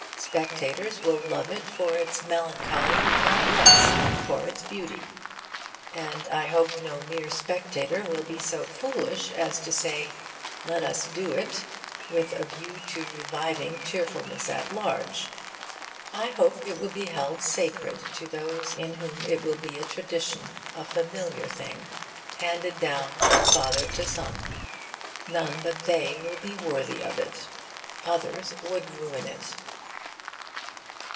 Spectators will love it for its melancholy not less than for its beauty. And I hope no mere spectator will be so foolish as to say, 'Let us do it' with a view to reviving cheerfulness at large. I hope it will be held sacred to those in whom it will be a tradition a familiar thing handed down from father to son. None but they will be worthy of it. Others would ruin it.